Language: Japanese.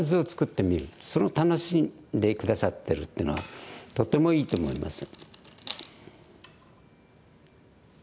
それを楽しんで下さってるっていうのはとてもいいと思います。